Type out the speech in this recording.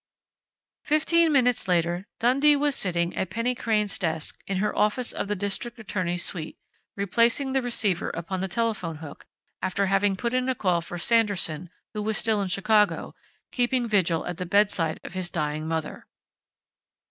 Fifteen minutes later Dundee was sitting at Penny Crain's desk in her office of the district attorney's suite, replacing the receiver upon the telephone hook, after having put in a call for Sanderson, who was still in Chicago, keeping vigil at the bedside of his dying mother.